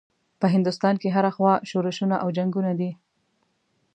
په هندوستان کې هره خوا شورشونه او جنګونه دي.